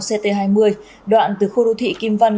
ct hai mươi đoạn từ khu đô thị kim văn